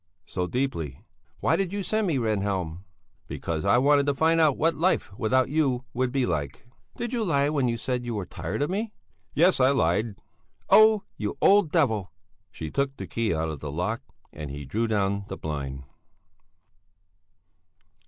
So deeply...." "Why did you send me Rehnhjelm?" "Because I wanted to find out what life without you would be like." "Did you lie when you said you were tired of me?" "Yes, I lied." "Oh! You old devil!" She took the key out of the lock and he drew down the blind.